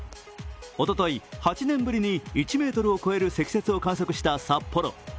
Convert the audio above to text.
おととい、８年ぶりに１ｍを超える積雪を観測した札幌。